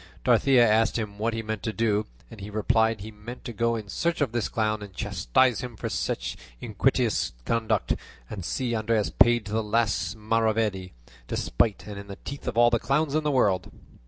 Dorothea asked him what he meant to do. He replied that he meant to go in search of this clown and chastise him for such iniquitous conduct, and see Andres paid to the last maravedi, despite and in the teeth of all the clowns in the world.